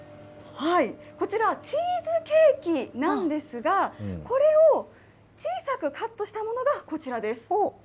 こちら、チーズケーキなんですが、これを小さくカットしたものがこちらです。